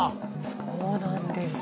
そうなんです。